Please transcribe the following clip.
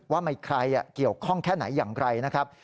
ว่ามีใครเกี่ยวข้องแค่ไหนอย่างไรนะครับ